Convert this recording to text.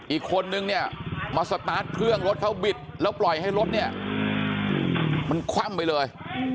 อีกคนนึงเนี่ยมาสตาร์ทเครื่องรถเขาบิดแล้วปล่อยให้รถเนี่ยมันคว่ำไปเลย